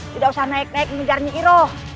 tidak usah naik naik ngejar nih roh